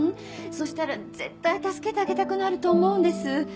そしたら絶対助けてあげたくなると思うんです。